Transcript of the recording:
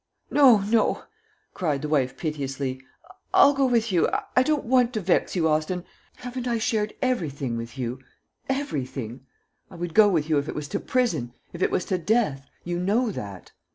"No, no," cried the wife piteously: "I'll go with you. I don't want to vex you, Austin. Haven't I shared everything with you everything? I would go with you if it was to prison if it was to death. You know that."